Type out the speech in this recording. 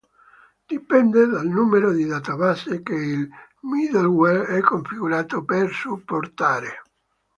Dipende dal numero di database che il middleware è configurato per supportare.